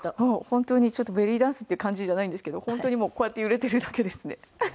本当にちょっとベリーダンスっていう感じじゃないんですけど本当にもうこうやって揺れてるだけですね。